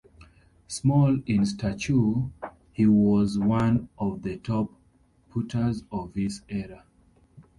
Small in stature, he was one of the top putters of his era.